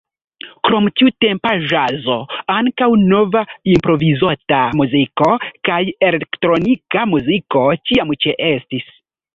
Krom tiutempa ĵazo ankaŭ nova improvizota muziko kaj elektronika muziko ĉiam ĉeestis.